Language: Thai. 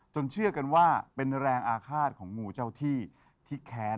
เชื่อกันว่าเป็นแรงอาฆาตของงูเจ้าที่ที่แค้น